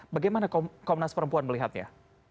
bagaimana komnas perempuan melihatnya